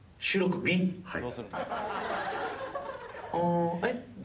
はい。